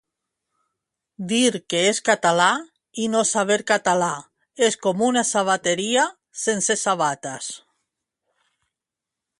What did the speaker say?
Dir que és català i no saber català és com una sabateria sense sabates